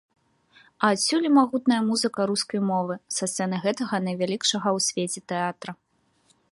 А адсюль і магутная музыка рускай мовы са сцэны гэтага найвялікшага ў свеце тэатра.